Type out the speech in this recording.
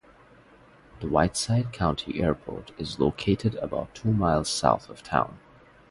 The Whiteside County Airport is located about two miles south of town.